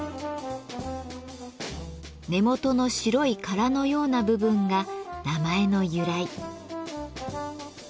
根元の白い殻のような部分が名前の由来。